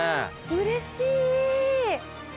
うれしい！